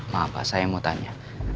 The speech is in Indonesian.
maaf pak saya mau tanya